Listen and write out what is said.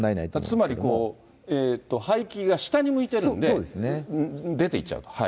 つまり排気が下に向いてるんで、出ていっちゃうと。